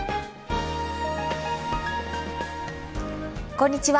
こんにちは。